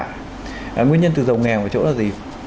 cái nguyên nhân từ giàu nghèo ở chỗ là gì